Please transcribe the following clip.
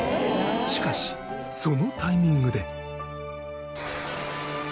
しかしそのタイミングで。